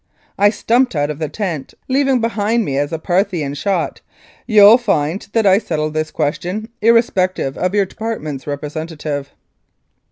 I stumped out of the tent, leaving behind me as a Parthian shot, "You'll find that I shall settle this question, irrespective of your Department's representative."